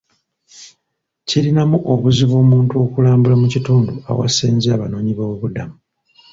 Kirinamu obuzibu omuntu okulambula mu kitundu ewasenze abanoonyi b'obubuddamu.